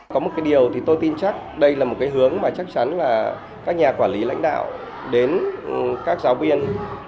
có một cái điều thì tôi tin chắc đây là một cái hướng mà chắc chắn là các nhà quản lý lãnh đạo đến các giáo viên